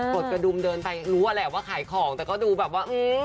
ดกระดุมเดินไปรู้อะแหละว่าขายของแต่ก็ดูแบบว่า